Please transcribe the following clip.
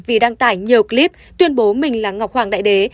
vì đăng tải nhiều clip tuyên bố mình là ngọc hoàng đại đế